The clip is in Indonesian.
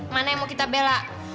mana yang mau kita bela